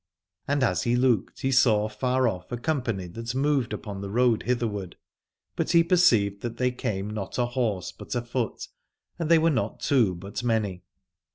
And as he looked he saw far off a company that moved upon the road hitherward : but he perceived that they came not ahorse but afoot, and they were not two but many.